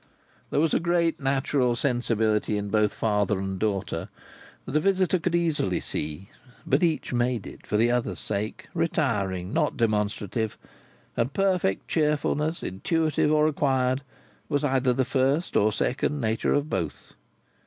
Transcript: There was great natural sensibility in both father and daughter, the visitor could easily see; but each made it, for the other's sake, retiring, not demonstrative; and perfect cheerfulness, intuitive or acquired, was either the first or second nature of both.